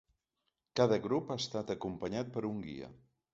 Cada grup ha estat acompanyat per un guia.